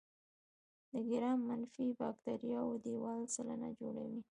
د ګرام منفي باکتریاوو دیوال سلنه جوړوي.